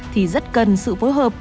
thì rất cần sự phối hợp